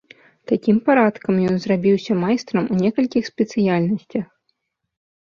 Такім парадкам ён зрабіўся майстрам у некалькіх спецыяльнасцях.